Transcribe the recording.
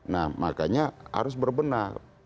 nah makanya harus berbenar